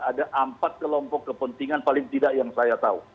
ada empat kelompok kepentingan paling tidak yang saya tahu